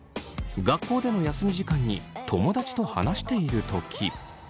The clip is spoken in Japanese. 学校での休み時間に友達と話しているとき。